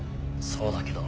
そうだけど。